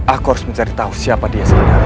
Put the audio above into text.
aku harus mencari tahu siapa dia sebenarnya